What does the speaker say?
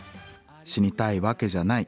「死にたいわけじゃない。